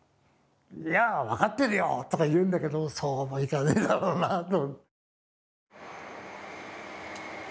「いや分かってるよ」とか言うんだけどそうもいかねえだろうなあと。